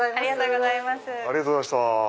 ありがとうございます。